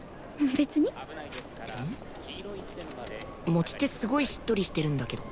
持ち手すごいしっとりしてるんだけど。